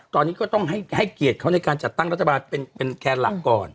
ตอนนี้ก็ต้องให้เกียรติเขาในการจัดตั้งรัฐบาลเป็นแคนหลักก่อน